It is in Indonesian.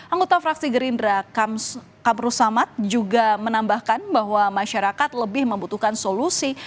anggota fraksi gerindra kabru samad juga menambahkan bahwa masyarakat lebih membutuhkan solusi